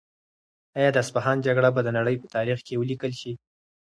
آیا د اصفهان جګړه به د نړۍ په تاریخ کې ولیکل شي؟